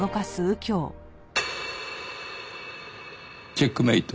チェックメイト。